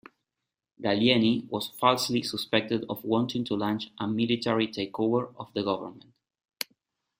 Gallieni was falsely suspected of wanting to launch a military takeover of the government.